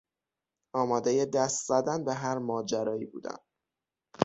آمادهی دست زدن به هر ماجرایی بودم.